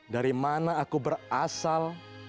dari mana aku berasal